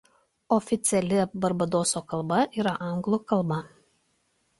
Oficiali Barbadoso kalba yra anglų kalba.